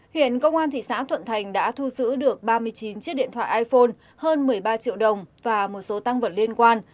hiện công an thị xã thuận thành đã thu giữ được ba mươi chín chiếc điện thoại iphone hơn một mươi ba triệu đồng và một số tăng vật liên quan